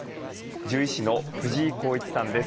獣医師の藤井康一さんです。